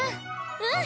うん！